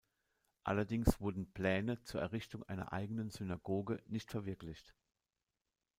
Allerdings wurden Pläne zur Errichtung einer eigenen Synagoge nicht verwirklicht.